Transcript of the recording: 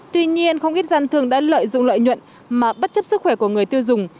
tuy nhiên không ít gian thương đã lợi dụng lợi nhuận mà bất chấp sức khỏe của người tiêu dùng